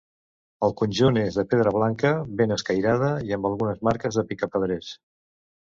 El conjunt és de pedra blanca, ben escairada i amb algunes marques de picapedrers.